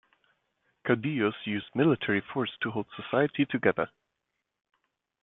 Caudillos used military force to hold society together.